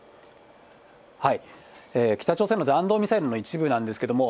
北朝鮮の弾道ミサイルの一部なんですけども、